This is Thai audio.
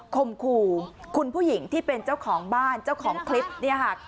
คมขู่คุณผู้หญิงที่เป็นเจ้าของบ้านเจ้าของคลิปเนี่ยค่ะ